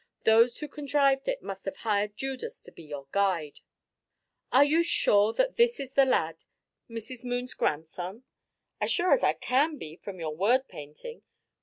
those who contrived it must have hired Judas to be your guide." "Are you sure that this is the lad Mrs. Moon's grandson?" "As sure as I can be from your word painting.